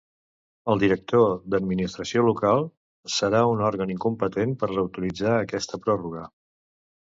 El director general d'Administració Local serà un òrgan incompetent per autoritzar aquesta pròrroga.